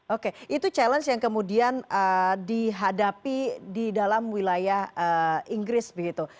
oke itu challenge yang kemudian dihadapi di dalam wilayah inggris begitu